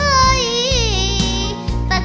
ตัดกินเต็มที่๓ครับ